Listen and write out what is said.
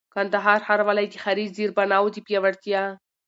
کندهار ښاروالۍ د ښاري زېربناوو د پياوړتيا